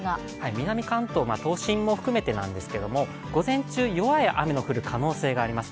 南関東、都心も含めてですが、午前中弱い雨の降る可能性があります。